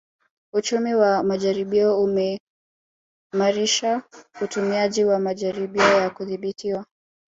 Uchumi wa majaribio umeimarisha utumiaji wa majaribio ya kudhibitiwa